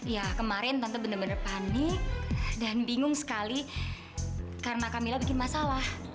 ya kemarin tante bener bener panik dan bingung sekali karena kamila bikin masalah